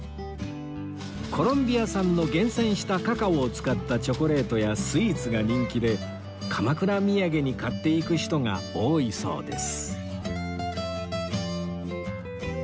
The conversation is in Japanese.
コロンビア産の厳選したカカオを使ったチョコレートやスイーツが人気で鎌倉土産に買っていく人が多いそうです